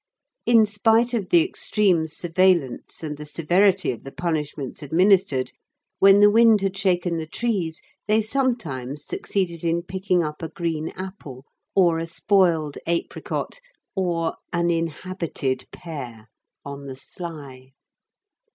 In spite of the extreme surveillance and the severity of the punishments administered, when the wind had shaken the trees, they sometimes succeeded in picking up a green apple or a spoiled apricot or an inhabited pear on the sly.